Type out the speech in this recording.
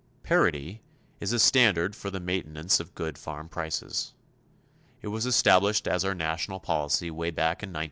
"Parity" is a standard for the maintenance of good farm prices. It was established as our national policy way back in 1933.